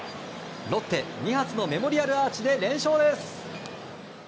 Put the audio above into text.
ロッテ、２発のメモリアルアーチで連勝です。